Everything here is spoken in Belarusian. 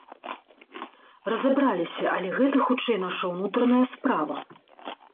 Разабраліся, але гэта, хутчэй, наша ўнутраная справа.